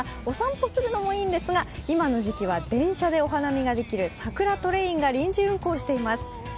お散歩するのもいいんですが、電車でお花見ができるサクラトレインが臨時運行しています。